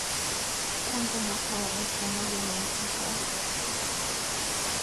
Tangu mwaka wa elfu moja mia tisa arobaini na tano